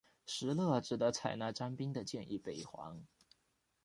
石勒只得采纳张宾的建议北还。